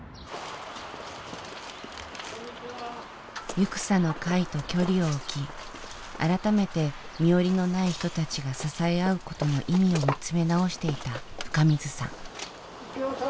ゆくさの会と距離を置き改めて身寄りのない人たちが支え合うことの意味を見つめ直していた深水さん。